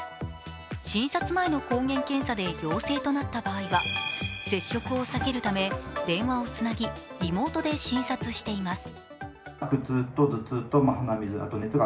診察前の抗原検査で陽性となった場合は接触を避けるため電話をつなぎ、リモートで診察しています。